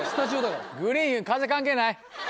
グリーン風関係ない。